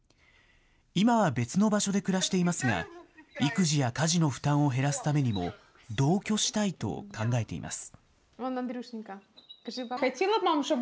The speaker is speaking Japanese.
今は別の場所で暮らしていますが、育児や家事の負担を減らすためにも同居したいと考えています。